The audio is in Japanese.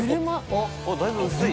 あっだいぶ薄い。